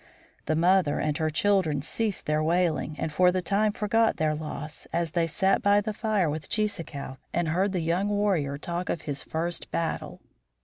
The mother and her children ceased their wailing and for the time forgot their loss, as they sat by the fire with Cheeseekau and heard the young warrior talk of his first battle.